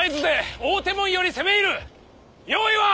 用意は！